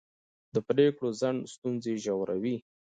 د پرېکړو ځنډ ستونزې ژوروي